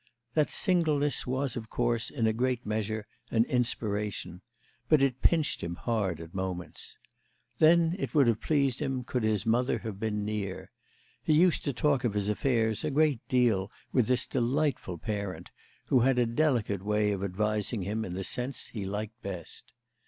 That singleness was of course in a great measure an inspiration; but it pinched him hard at moments. Then it would have pleased him could his mother have been near; he used to talk of his affairs a great deal with this delightful parent, who had a delicate way of advising him in the sense he liked best.